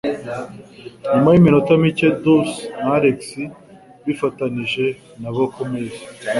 Nyuma yiminota mike Dulce na Alex bifatanije nabo kumeza.